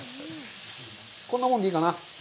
こんなもんでいいかな。